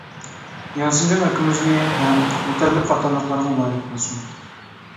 ياسىنجان ئاكىمىزنى ھەم، مۇتەللىپ قاتارلىقلارغا مۇبارەك بولسۇن!